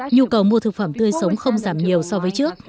nhu cầu mua thực phẩm tươi sống không giảm nhiều so với trước